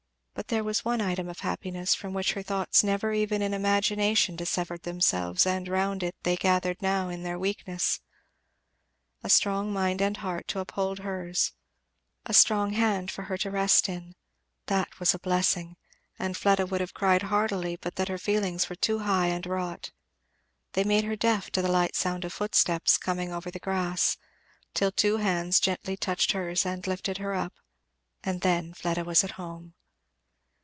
But there was one item of happiness from which her thoughts never even in imagination dissevered themselves, and round it they gathered now in their weakness. A strong mind and heart to uphold hers, a strong hand for here to rest in, that was a blessing; and Fleda would have cried heartily but that her feelings were too high wrought. They made her deaf to the light sound of footsteps coming over the grass, till two hands gently touched hers and lifted her up, and then Fleda was at home.